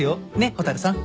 蛍さん。